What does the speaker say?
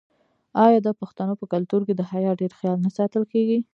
آیا د پښتنو په کلتور کې د حیا ډیر خیال نه ساتل کیږي؟